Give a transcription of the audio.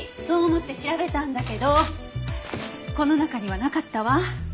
そう思って調べたんだけどこの中にはなかったわ。